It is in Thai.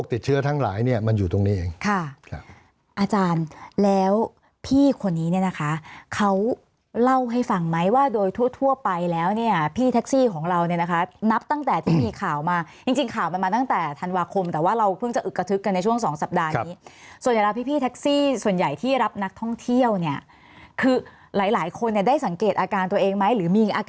ค่ะอาจารย์แล้วพี่คนนี้เนี่ยนะคะเขาเล่าให้ฟังไหมว่าโดยทั่วไปแล้วเนี่ยพี่แท็กซี่ของเราเนี่ยนะคะนับตั้งแต่ที่มีข่าวมาจริงข่าวมาตั้งแต่ธันวาคมแต่ว่าเราเพิ่งจะอึกกระทึกกันในช่วงสองสัปดาห์นี้ส่วนใหญ่พี่แท็กซี่ส่วนใหญ่ที่รับนักท่องเที่ยวเนี่ยคือหลายคนได้สังเกตอาการตัวเองไหมหรือ